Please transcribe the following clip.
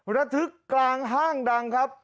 ระทึกกลางห้างดังครับ